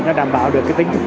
nó đảm bảo được tính thực chất